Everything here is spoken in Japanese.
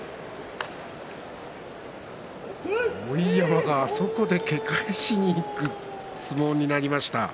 碧山が、あそこでけ返しにいく相撲になりました。